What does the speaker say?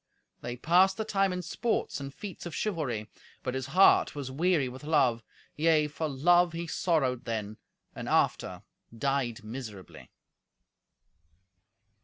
They passed the time in sports and feats of chivalry. But his heart was weary with love; yea, for love he sorrowed then, and, after, died miserably.